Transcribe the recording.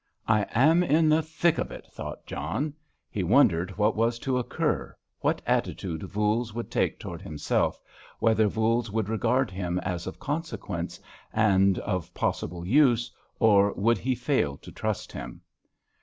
"I am in the thick of it," thought John. He wondered what was to occur, what attitude Voules would take towards himself, whether Voules would regard him as of consequence, and of possible use, or would he fail to trust him.